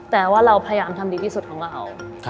แต่ว่าเราพยายามทำดีที่สุดของเรา